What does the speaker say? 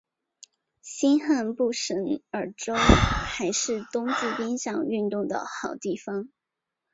新罕布什尔州还是冬季冰上运动的好地点。